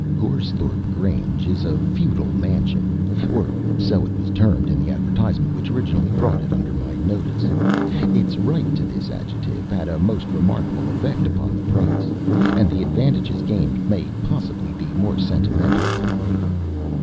Goresthorpe Grange is a feudal mansion or so it was termed in the advertisement which originally brought it under my notice. Its right to this adjective had a most remarkable effect upon its price, and the advantages gained may possibly be more sentimental than real.